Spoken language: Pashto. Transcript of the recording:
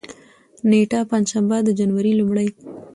نېټه: پنجشنبه، د جنوري لومړۍ